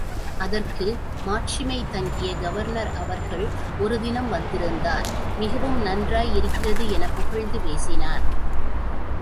அதற்கு மாட்சிமை தங்கிய கவர்னர் அவர்கள் ஒரு தினம் வந்திருந்தார் மிகவும் நன்றாயிருக்கிறதெனப் புகழ்ந்து பேசினார்.